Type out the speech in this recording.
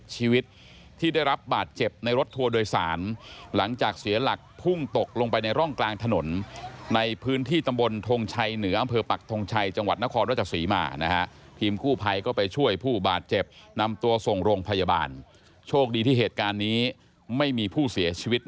หลังจากเสียหลักพุ่งตกลงไปในร่องกลางถนนในพื้นที่ตำบลทองชัยเหนืออำเภอปักทองชัยจังหวัดนครรัชสีมานะฮะคิมกู้ภัยก็ไปช่วยผู้บาดเจ็บนำตัวส่งโรงพยาบาลโชครีที่เหตุการณ์นี้